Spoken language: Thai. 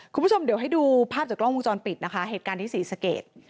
คุณผู้ชมเดี๋ยวให้ดูภาพจากกล้องวงจรปิดนะคะเหตุการณ์ที่ศรีสเกต